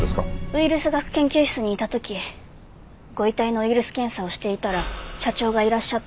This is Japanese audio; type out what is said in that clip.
ウイルス学研究室にいた時ご遺体のウイルス検査をしていたら社長がいらっしゃって。